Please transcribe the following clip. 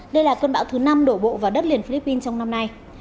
đây là cơn bão thứ năm đổ bộ vào đất liền philippines trong năm nay